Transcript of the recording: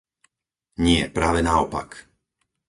Nie, práve naopak!